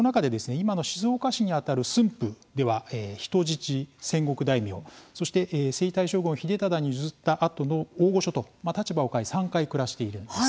今の静岡市にあたる駿府では人質、戦国大名、そして征夷大将軍を秀忠に譲ったあとの大御所と立場を変え３回暮らしているんです。